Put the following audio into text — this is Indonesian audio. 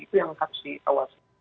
itu yang harus dikhawatirkan